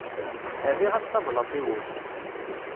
Rriɣ-as tablaḍt i wul.